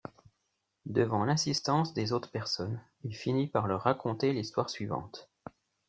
Devant l'insistance des autres personnes, il finit par leur raconter l'histoire suivante.